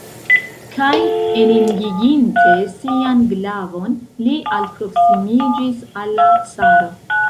Kaj eningiginte sian glavon, li alproksimiĝis al la caro.